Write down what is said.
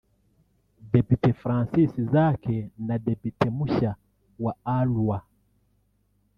Depite Francis Zaake na Depite mushya wa Arua